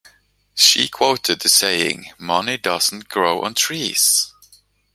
She quoted the saying: money doesn't grow on trees.